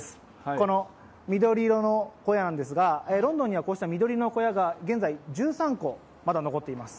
この緑色の小屋ですが、ロンドンにはこうした緑色の小屋が現在１３個、まだ残っています。